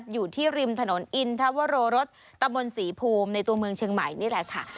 อยู่ที่ริมถนนอินทวโรรสตะมนต์ศรีภูมิในตัวเมืองเชียงใหม่นี่แหละค่ะ